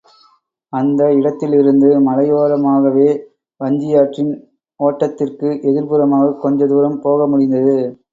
அந்த இடத்திலிருந்து மலையோரமாகவே வஞ்சியாற்றின் ஒட்டத்திற்கு எதிர்ப்புறமாகக் கொஞ்ச தூரம் போக முடிந்தது.